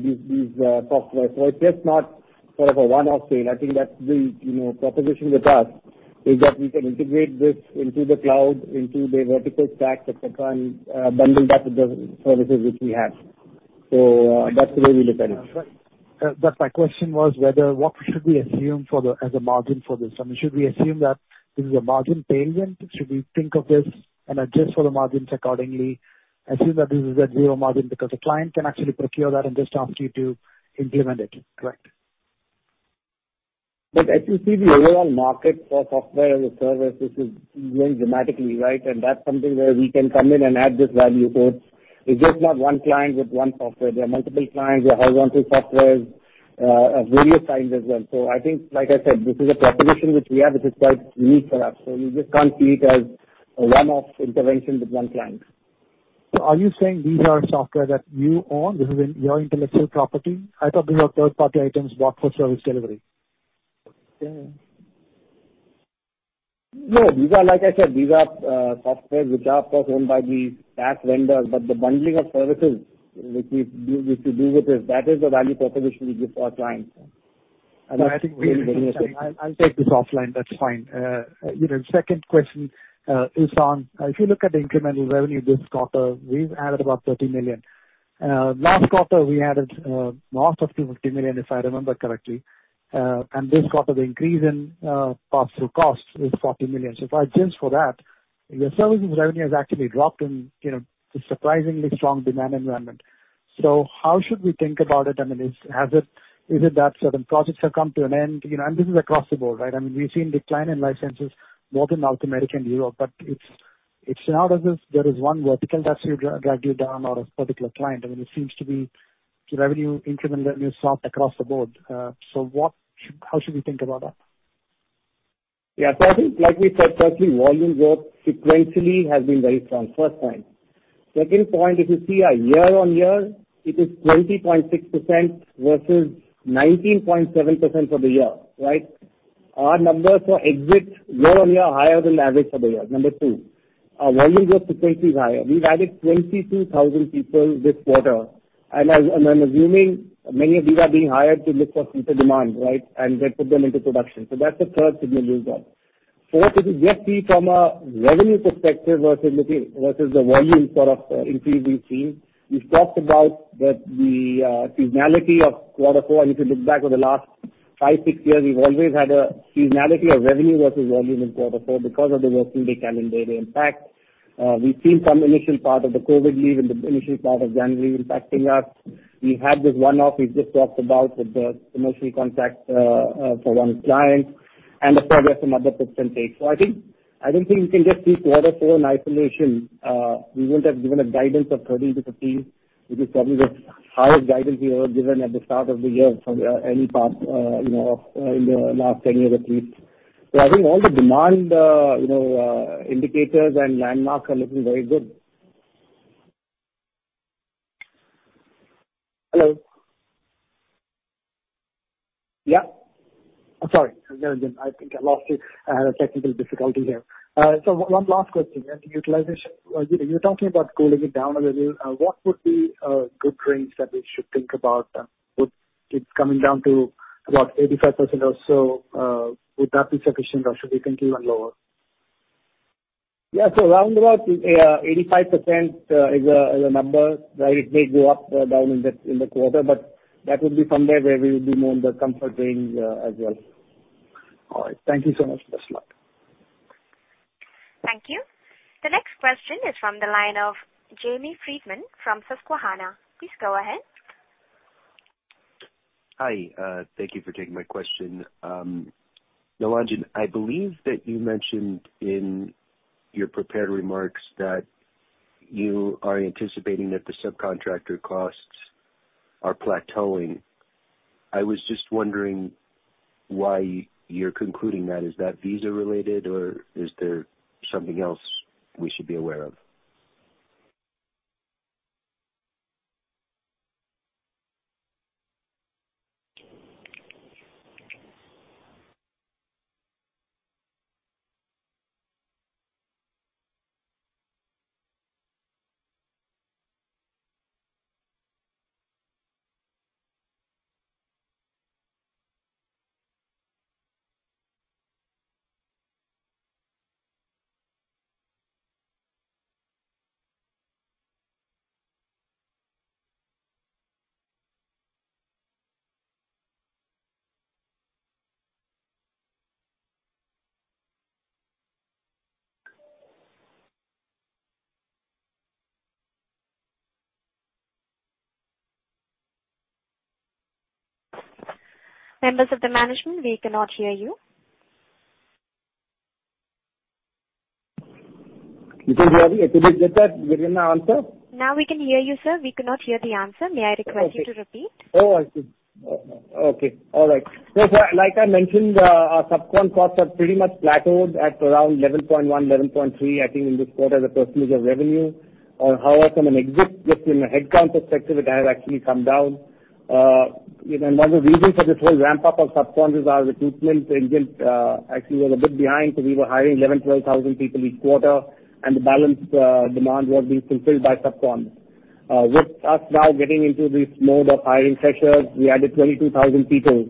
these software. It's just not sort of a one-off sale. I think that the, you know, proposition with us is that we can integrate this into the cloud, into the vertical stack, et cetera, and bundle that with the services which we have. That's the way we look at it. My question was whether what should we assume for the, as a margin for this? I mean, should we assume that this is a margin tailwind? Should we think of this and adjust for the margins accordingly, assume that this is at zero margin? Because a client can actually procure that and just ask you to implement it. Correct. As you see, the overall market for software as a service. This is growing dramatically, right? That's something where we can come in and add this value. It's just not one client with one software. There are multiple clients. There are horizontal softwares, of various kinds as well. I think, like I said, this is a proposition which we have which is quite unique for us. You just can't see it as a one-off intervention with one client. Are you saying these are software that you own? This is in your intellectual property? I thought these were third-party items bought for service delivery. Yeah. No, these are, like I said, these are softwares which are, of course, owned by the SaaS vendors. The bundling of services which we do with this, that is the value proposition we give to our clients. I think we- I'll take this offline. That's fine. You know, second question is on if you look at the incremental revenue this quarter, we've added about $30 million. Last quarter we added north of $50 million, if I remember correctly. This quarter the increase in pass-through costs is $40 million. If I adjust for that, your services revenue has actually dropped in you know, a surprisingly strong demand environment. How should we think about it? I mean, has it... Is it that certain projects have come to an end? You know, this is across the board, right? I mean, we've seen decline in licenses more than North America and Europe, but it's not as if there is one vertical that's really dragged you down or a particular client. I mean, it seems to be revenue increment when you're soft across the board. How should we think about that? I think like we said, firstly, volume growth sequentially has been very strong. First point. Second point, if you see our year-on-year, it is 20.6% versus 19.7% for the year, right? Our numbers for exits year-on-year are higher than average for the year. Number two, our volume growth sequentially is higher. We've added 22,000 people this quarter, and I'm assuming many of these are being hired to look for future demand, right? Then put them into production. That's the third signal you've got. Fourth, if you just see from a revenue perspective versus the volume sort of increase we've seen, we've talked about the seasonality of quarter four. If you look back over the last five, six years, we've always had a seasonality of revenue versus volume in quarter four because of the working day calendar day impact. We've seen some initial part of the COVID leave and the initial part of January impacting us. We've had this one-off we've just talked about with the commercial contract for one client and of course we have some other percentage. I think I don't think you can just see quarter four in isolation. We wouldn't have given a guidance of 13%-15%, which is probably the highest guidance we have given at the start of the year for any part, you know, in the last ten years at least. I think all the demand, you know, indicators and landmarks are looking very good. Hello? Yeah. I'm sorry. Nilanjan, I think I lost you. I had a technical difficulty here. One last question. Utilization. You're talking about cooling it down a little. What would be a good range that we should think about? Would it coming down to about 85% or so, would that be sufficient or should we continue on lower? Yeah. Around about 85% is a number, right? It may go up or down in the quarter, but that would be somewhere where we would be more in the comfort range, as well. All right. Thank you so much. Best luck. Thank you. The next question is from the line of Jamie Friedman from Susquehanna. Please go ahead. Hi, thank you for taking my question. Nilanjan, I believe that you mentioned in your prepared remarks that you are anticipating that the subcontractor costs are plateauing. I was just wondering why you're concluding that. Is that visa related or is there something else we should be aware of? Members of the management, we cannot hear you. You can hear me? It was just that we didn't answer? Now we can hear you, sir. We could not hear the answer. May I request you to repeat? Like I mentioned, our subcon costs are pretty much plateaued at around 11.1%-11.3%, I think, in this quarter as a percentage of revenue. However, from an exit just in a headcount perspective, it has actually come down. You know, one of the reasons for this whole ramp up of subcons is our recruitment engine actually was a bit behind because we were hiring 11,000-12,000 people each quarter and the balance demand was being fulfilled by subcons. With us now getting into this mode of hiring freshers, we added 22,000 people,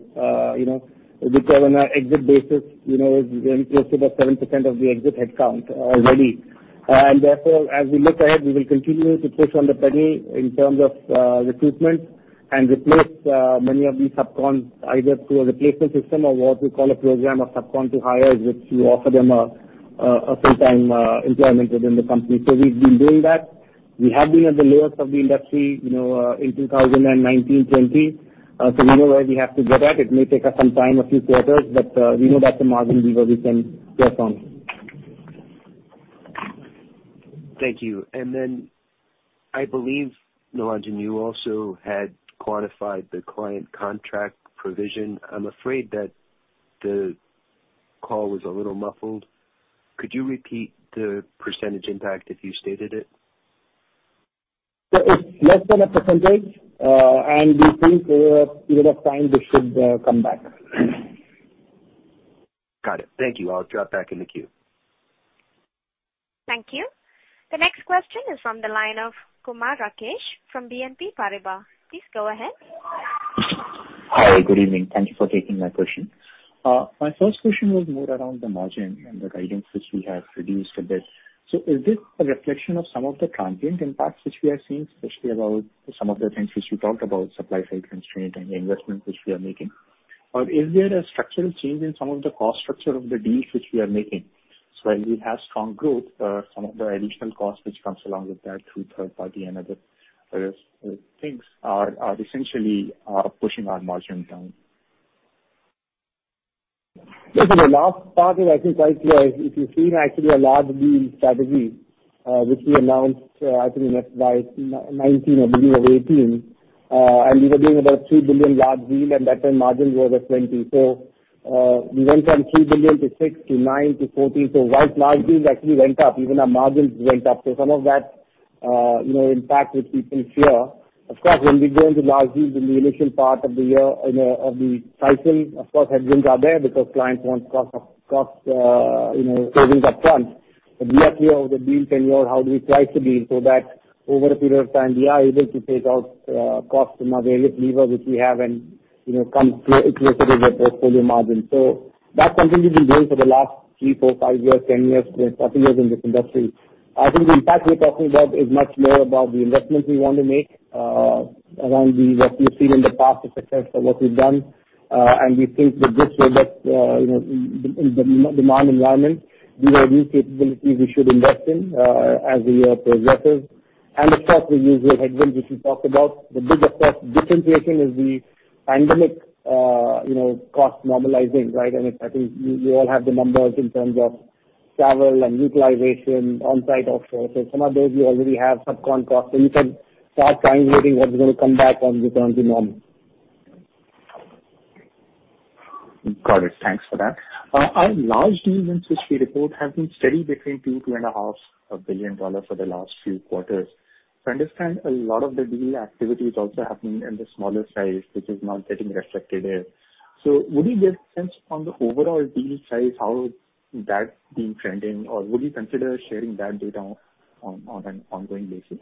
you know, which are on an exit basis, you know, is in close to the 7% of the exit headcount already. Therefore, as we look ahead, we will continue to push on the pedal in terms of recruitment and replace many of these subcons either through a replacement system or what we call a program of subcon to hire, which we offer them a full-time employment within the company. We've been doing that. We have been at the lowest of the industry, you know, in 2019, 2020. We know where we have to get to. It may take us some time, a few quarters, but we know that's a margin lever we can press on. Thank you. I believe, Nilanjan, you also had quantified the client contract provision. I'm afraid that the call was a little muffled. Could you repeat the percentage impact if you stated it? It's less than 1%, and we think, given the time, this should come back. Got it. Thank you. I'll drop back in the queue. Thank you. The next question is from the line of Kumar Rakesh from BNP Paribas. Please go ahead. Hi, good evening. Thank you for taking my question. My first question was more around the margin and the guidance which we have reduced a bit. Is this a reflection of some of the transient impacts which we are seeing, especially about some of the things which you talked about, supply side constraint and the investments which we are making? Is there a structural change in some of the cost structure of the deals which we are making? While we have strong growth, some of the additional cost which comes along with that through third party and other things are essentially pushing our margin down. Yeah. The last part is I think quite clear. If you've seen actually a large deal strategy, which we announced, I think by 2019 or beginning of 2018. We were doing about $3 billion large deal and that time margins were over 20%. We went from $3 billion to $6 billion to $9 billion to $14 billion. While large deals actually went up, even our margins went up. Some of that, you know, impact which we can see here. Of course, when we go into large deals in the initial part of the year, you know, of the cycle, of course, headwinds are there because clients want cost savings up front. We are clear over the deal tenure, how do we price the deal so that over a period of time, we are able to take out cost from our various levers which we have and, you know, come clear. It's listed in the portfolio margin. That's something we've been doing for the last three, four, five years, ten years, twelve, thirteen years in this industry. I think the impact we're talking about is much more about the investments we want to make around the, what we've seen in the past, the success of what we've done. We think with this way that, you know, in the demand environment, these are new capabilities we should invest in as the year progresses. Of course, we use the headwinds which we talked about. The biggest cost differentiation is the pandemic, you know, cost normalizing, right? I think you all have the numbers in terms of travel and utilization, on-site, offshore. Some of those we already have subcon. You can start triangulating what is gonna come back and return to normal. Got it. Thanks for that. Our large deals in which we report have been steady between $2 billion and $2.5 billion for the last few quarters. To understand, a lot of the deal activity is also happening in the smaller size, which is not getting reflected here. Would you give a sense on the overall deal size, how that's been trending, or would you consider sharing that data on an ongoing basis?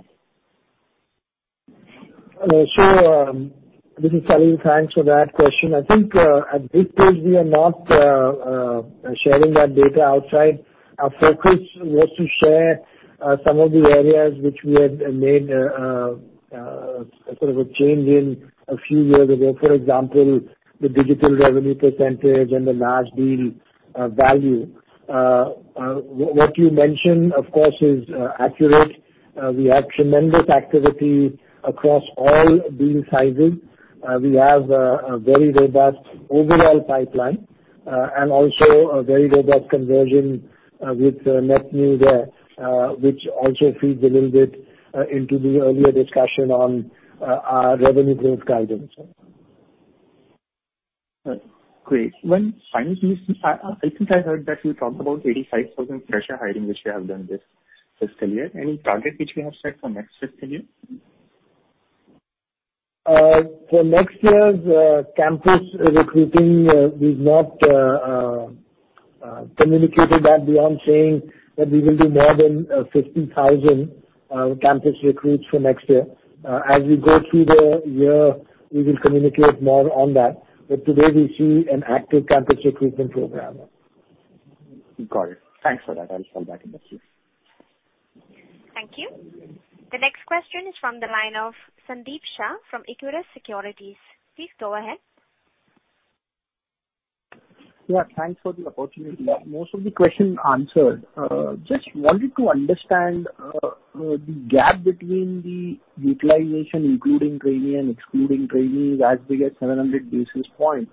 This is Salil. Thanks for that question. I think at this stage we are not sharing that data outside. Our focus was to share some of the areas which we had made sort of a change in a few years ago, for example, the digital revenue percentage and the large deal value. What you mentioned, of course is accurate. We have tremendous activity across all deal sizes. We have a very robust overall pipeline and also a very robust conversion with NetSuite, which also feeds a little bit into the earlier discussion on our revenue growth guidance. Great. One final piece. I think I heard that you talked about 85% fresher hiring, which you have done this fiscal year. Any target which we have set for next fiscal year? For next year's campus recruiting, we've not communicated that beyond saying that we will do more than 50,000 campus recruits for next year. As we go through the year, we will communicate more on that. Today we see an active campus recruitment program. Got it. Thanks for that. I'll circle back if necessary. Thank you. The next question is from the line of Sandeep Shah from Equirus Securities. Please go ahead. Yeah, thanks for the opportunity. Most of the question answered. Just wanted to understand the gap between the utilization, including training and excluding training is as big as 700 basis points.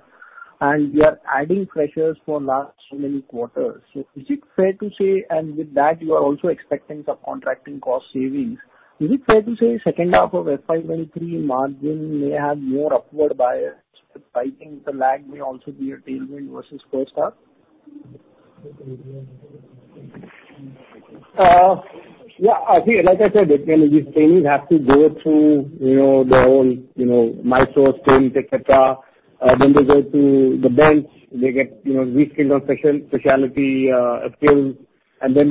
You are adding freshers for last so many quarters. Is it fair to say and with that you are also expecting some contracting cost savings. Is it fair to say second half of FY 2023 margin may have more upward bias, but I think the lag may also be a tailwind versus first half? I think, like I said, these trainees have to go through, you know, their own, you know, micro skills, et cetera. They go to the bench. They get, you know, re-skilled on specialty skills, and they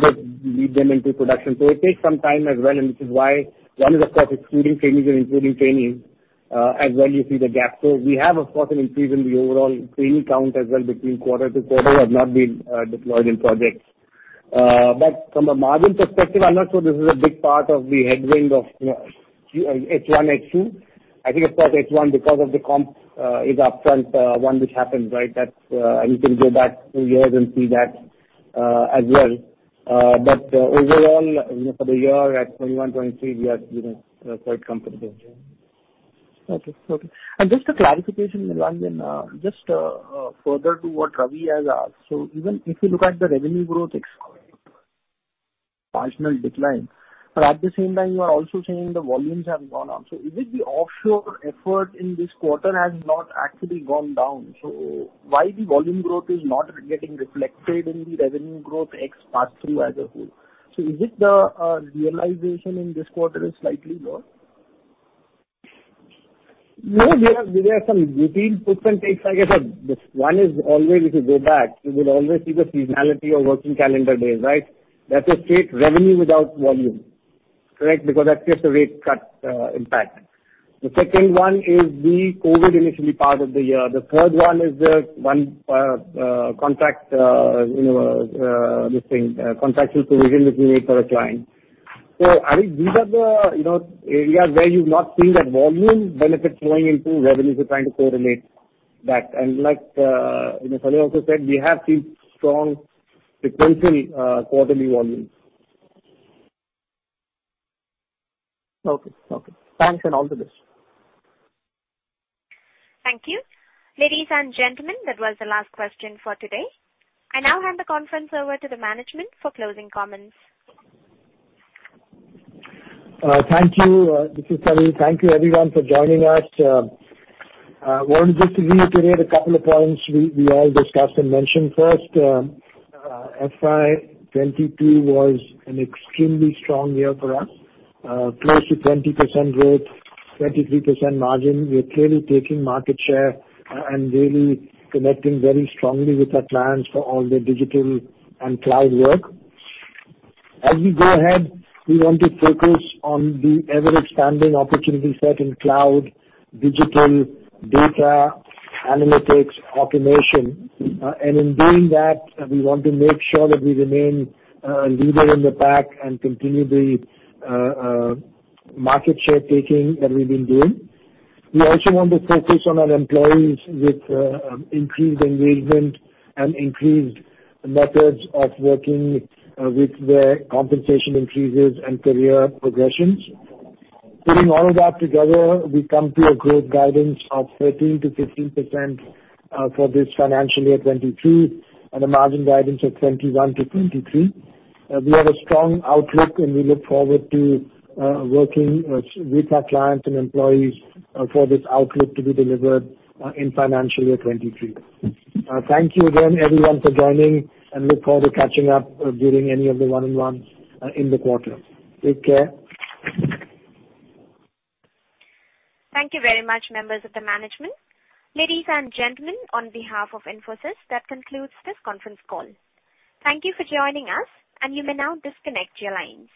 lead them into production. It takes some time as well, and which is why one is, of course, excluding trainees and including trainees, as well you see the gap. We have of course an increase in the overall trainee count as well between quarter-to-quarter who have not been deployed in projects. From a margin perspective, I'm not sure this is a big part of the headwind of, you know, H1, H2. I think of course H1 because of the comp is upfront, one which happens, right? That's. You can go back a few years and see that as well. Overall, you know, for the year 2021 to 2023 we are, you know, quite comfortable. Just a clarification, Nilanjan, just further to what Ravi has asked. Even if you look at the revenue growth, it's partial decline, but at the same time you are also saying the volumes have gone up. Is it the offshore effort in this quarter has not actually gone down? Why the volume growth is not getting reflected in the revenue growth ex pass-through as a whole? Is it the realization in this quarter slightly more? No, there are some routine puts and takes, like I said. The one is always, if you go back, you will always see the seasonality of working calendar days, right? That's a straight revenue without volume, correct? Because that's just a rate cut impact. The second one is the COVID initially part of the year. The third one is contractual provision which we made for a client. Are these the, you know, areas where you're not seeing that volume benefit flowing into revenues? You're trying to correlate that. Like, you know, Salil also said, we have seen strong sequential quarterly volumes. Okay. Thanks, and all the best. Thank you. Ladies and gentlemen, that was the last question for today. I now hand the conference over to the management for closing comments. Thank you. This is Salil. Thank you everyone for joining us. I want just to reiterate a couple of points we all discussed and mentioned. First, FY 2022 was an extremely strong year for us, close to 20% growth, 23% margin. We are clearly taking market share and really connecting very strongly with our clients for all their digital and cloud work. As we go ahead, we want to focus on the ever-expanding opportunity set in cloud, digital, data, analytics, automation. In doing that, we want to make sure that we remain leader in the pack and continue the market share taking that we've been doing. We also want to focus on our employees with increased engagement and increased methods of working with their compensation increases and career progressions. Putting all of that together, we come to a growth guidance of 13%-15% for this financial year 2022, and a margin guidance of 21%-23%. We have a strong outlook, and we look forward to working with our clients and employees for this outlook to be delivered in financial year 2023. Thank you again, everyone, for joining, and we look forward to catching up during any of the one-on-ones in the quarter. Take care. Thank you very much, members of the management. Ladies and gentlemen, on behalf of Infosys, that concludes this conference call. Thank you for joining us, and you may now disconnect your lines.